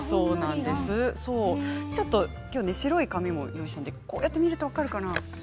ちょっと今日白い紙も用意したのでこうやって見ると分かるかな。